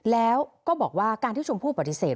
แล้วก็บอกว่าการที่ชมพู่ปฏิเสธ